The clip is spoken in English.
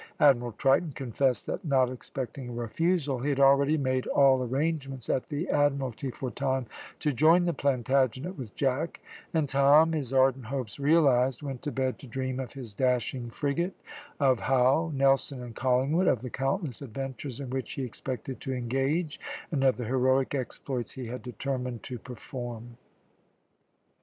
Admiral Triton confessed that, not expecting a refusal, he had already made all arrangements at the Admiralty for Tom to join the Plantagenet with Jack; and Tom, his ardent hopes realised, went to bed to dream of his dashing frigate, of Howe, Nelson, and Collingwood, of the countless adventures in which he expected to engage, and of the heroic exploits he had determined to perform.